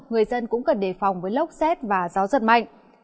người dân cũng cần đề phòng với lốc xét và gió giật mạnh